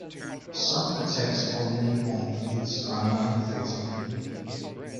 Some attacks on newborn piglets are non-fatal.